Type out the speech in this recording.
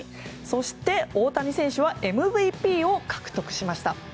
そして、大谷選手はＭＶＰを獲得しました。